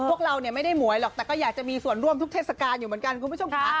พวกเราเนี่ยไม่ได้หมวยหรอกแต่ก็อยากจะมีส่วนร่วมทุกเทศกาลอยู่เหมือนกันคุณผู้ชมค่ะ